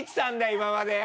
今までよ！